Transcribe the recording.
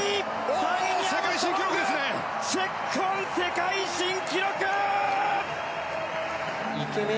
チェッコン、世界新記録！